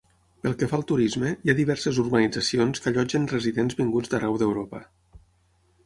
Pel que fa al turisme, hi ha diverses urbanitzacions que allotgen residents vinguts d'arreu d'Europa.